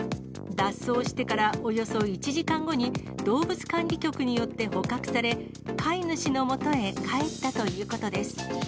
脱走してからおよそ１時間後に、動物管理局によって捕獲され、飼い主のもとへ帰ったということです。